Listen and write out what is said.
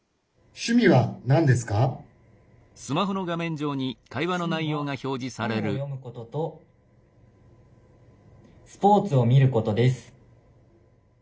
「趣味は本を読むこととスポーツを見ることです」。